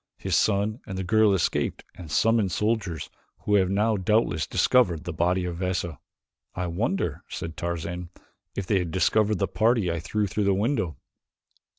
His son and the girl escaped and summoned soldiers who have now doubtless discovered the body of Veza." "I wonder," said Tarzan, "if they have discovered the party I threw through the window."